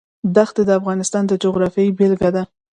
دښتې د افغانستان د جغرافیې بېلګه ده.